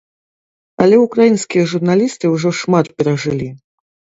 Але ўкраінскія журналісты ўжо шмат перажылі.